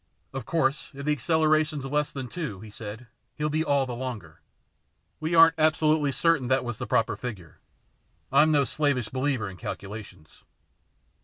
" Of course, if the acceleration's less than two," he said, " he'll be all the longer. We aren't absolutely certain that was the proper figure. I'm no slavish believer in calculations."